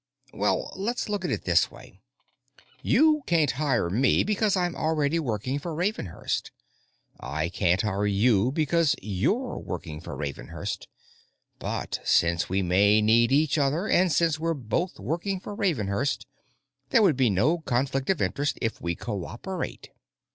"Well, let's look at it this way: You can't hire me because I'm already working for Ravenhurst; I can't hire you because you're working for Ravenhurst. But since we may need each other, and since we're both working for Ravenhurst, there would be no conflict of interest if we co operate.